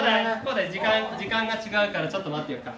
洸大時間が違うからちょっと待ってようか。